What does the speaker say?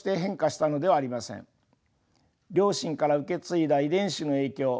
両親から受け継いだ遺伝子の影響